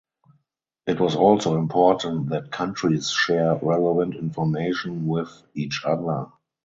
It was also important that countries share relevant information with each other.